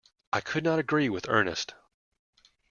I could not agree with Ernest.